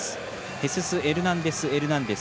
ヘスス・エルナンデスエルナンデス。